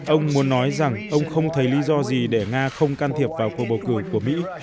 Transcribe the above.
ông muốn nói rằng ông không thấy lý do gì để nga không can thiệp vào cuộc bầu cử của mỹ